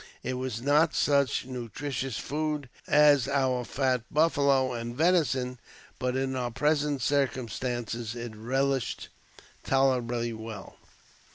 It was not such nutritious food as our fat buffalo and venison, but in our present circumstances it relished tolerably well.